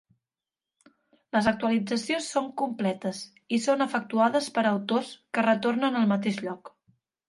Les actualitzacions són completes i són efectuades per autors que retornen al mateix lloc.